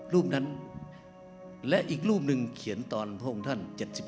รูปนั้นและอีกรูปหนึ่งเขียนตอนพระองค์ท่าน๗๒